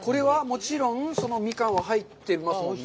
もちろん、ミカンは入ってますもんね。